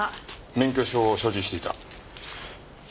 免許証を所持していた。